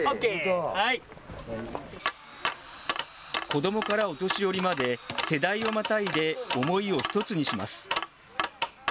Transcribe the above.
子どもからお年寄りまで、世代をまたいで思いを一つにします。